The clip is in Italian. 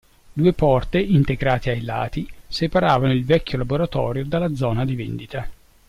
Due porte, integrate ai lati, separavano il vecchio laboratorio dalla zona di vendita.